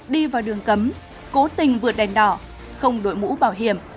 đi vào đường cấm cố tình vượt đèn đỏ không đội mũ bảo hiểm